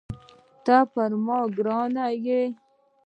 ته پر ما ګران یې